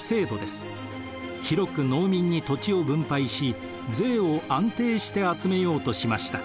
広く農民に土地を分配し税を安定して集めようとしました。